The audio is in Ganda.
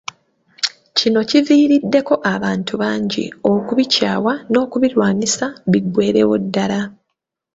Kino kiviiriddeko abantu bangi okubikyawa n’okubirwanyisa biggweerewo ddala .